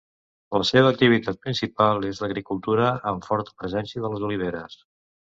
La seva activitat principal és l'agricultura amb forta presència de les oliveres.